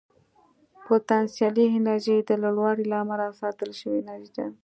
پوتنسیالي انرژي د لوړوالي له امله ساتل شوې انرژي ده.